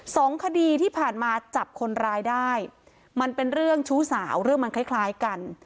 สองคดีที่ผ่านมาจับคนร้ายได้มันเป็นเรื่องชู้สาวเรื่องมันคล้ายคล้ายกัน